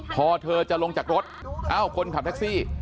พอเธอจะลงจากรถคุณขับแท็คซี่